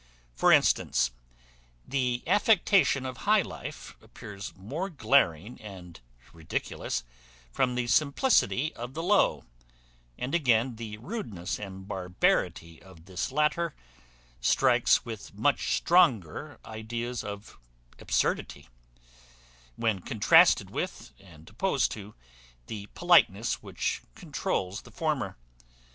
For instance, the affectation of high life appears more glaring and ridiculous from the simplicity of the low; and again, the rudeness and barbarity of this latter, strikes with much stronger ideas of absurdity, when contrasted with, and opposed to, the politeness which controuls the former.